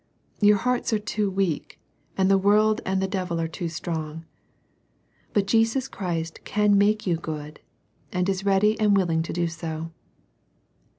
Your hearts are too weak, and the world and the devil are too strong. But Jesus Christ can make you good, and is ready and willing to do so.